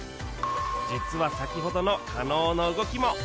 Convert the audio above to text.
実は先ほどの加納の動きも